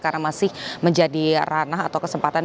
karena masih menjadi ranah atau kesempatan